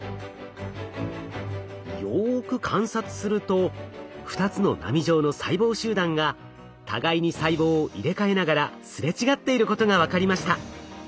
よく観察すると２つの波状の細胞集団が互いに細胞を入れ替えながらすれ違っていることが分かりました。